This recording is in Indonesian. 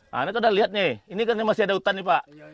nah ini kan sudah lihat nih ini kan masih ada hutan nih pak